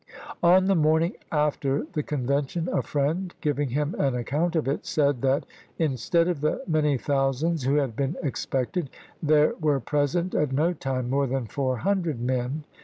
On the morning after the Convention, a friend, giving him an account of it, said that, in stead of the many thousands who had been expected, there were present at no time more than four hun dred men.